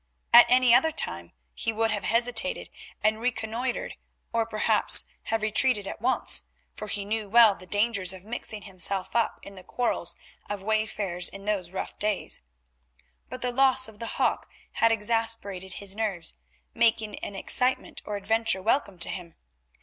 At any other time he would have hesitated and reconnoitred, or, perhaps, have retreated at once, for he knew well the dangers of mixing himself up in the quarrels of wayfarers in those rough days. But the loss of the hawk had exasperated his nerves, making any excitement or adventure welcome to him.